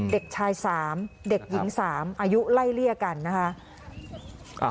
เด็กชาย๓เด็กหญิง๓อายุไล่เลี่ยกันนะคะ